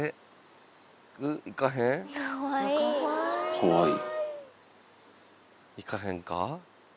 かわいい。